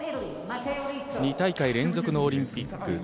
２大会連続のオリンピック。